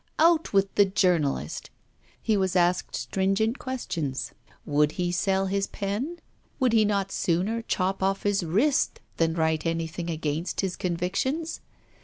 Out with the journalist! He was asked stringent questions. Would he sell his pen? Would he not sooner chop off his wrist than write anything against his convictions?